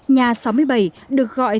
nhà sáu mươi bảy được gọi